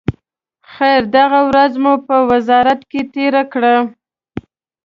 خیر، دغه ورځ مو په وزارت کې تېره کړه.